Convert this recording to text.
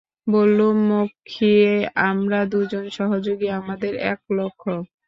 বললুম, মক্ষী, আমরা দুজনে সহযোগী, আমাদের এক লক্ষ্য।